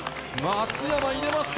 松山、入れました。